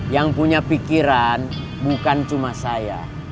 yang punya pikiran bukan cuma saya